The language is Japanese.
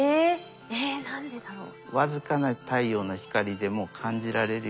えっ何でだろう？